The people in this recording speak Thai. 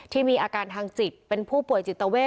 มีอาการทางจิตเป็นผู้ป่วยจิตเวท